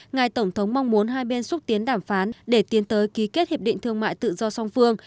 ngài tổng thống mong muốn hai bên xúc tiến đàm phán để tiến tới ký kết hiệp định thương mại tự do song phương